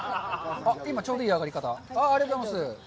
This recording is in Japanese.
今、ちょうどいい揚がり方。ありがとうございます。